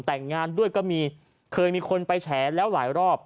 แต่งงานด้วยก็มีเคยมีคนไปแฉแล้วหลายรอบ